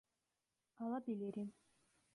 Alabilirim.